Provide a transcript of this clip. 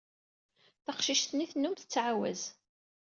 Taqcict-nni tennum tettɛawaz.